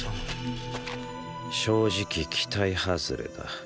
正直期待外れだ。